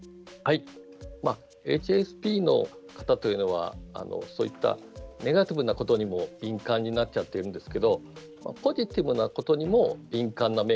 ＨＳＰの方というのはそういったネガティブなことにも敏感になっちゃってるんですけどポジティブなことにも敏感な面があるんですよね。